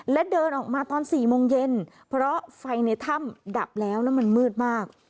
และเดินออกมาตอน๔โมงเย็นเพราะไฟในถ้ำดับแล้วแล้วมันมืดมาก